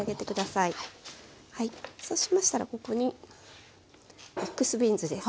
そうしましたらここにミックスビーンズです。